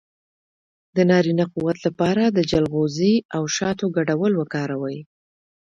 د نارینه قوت لپاره د چلغوزي او شاتو ګډول وکاروئ